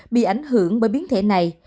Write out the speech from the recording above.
bị ảnh hưởng bởi biến thể này